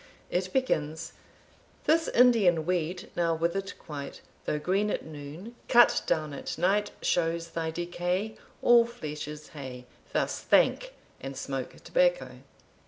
It begins * This Indian weed now withered quite, Tho' green at noon, cut down at night, Shows thy decay; All flesh is hay. Thus thank, and smoke tobacco.